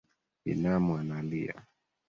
Binamu analia